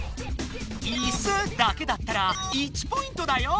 「いす」だけだったら１ポイントだよ